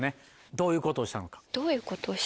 どういうことをしたか？